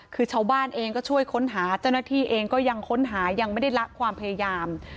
คือชาวบ้านเองก็ช่วยค้นหาเจ้าหน้าที่เองก็ยังค้นหายังไม่ได้ละความพยายาม